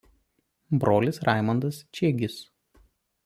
Brolis Raimondas Čiegis.